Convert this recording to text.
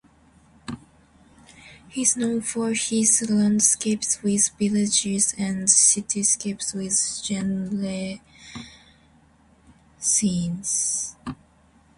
He is known for his landscapes with villages and city scapes with genre scenes.